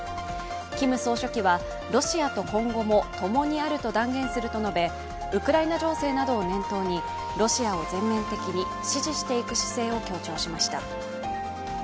キム総書記はロシアと今後もともにあると断言すると述べウクライナ情勢などを念頭に、ロシアを全面的に支持していく姿勢を強調しました。